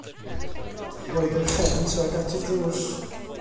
Roedd ei chefn tuag at y drws.